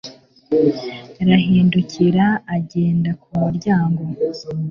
rahindukira agenda ku muryango